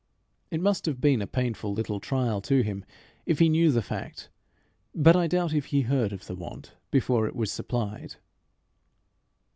It must have been a painful little trial to him if he knew the fact; but I doubt if he heard of the want before it was supplied.